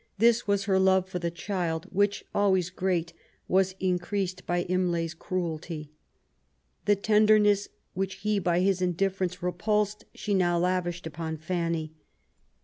This was her love for the child^ which, always great^ was increased by Imlay's cruelty. The tenderness which he by his indifference repulsed^ she now lavished upon Fanny.